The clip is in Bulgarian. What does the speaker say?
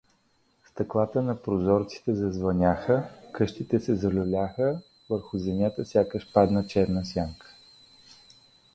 Стъклата на прозорците зазвънтяха, къщите се залюляха, върху земята сякаш падна черна сянка.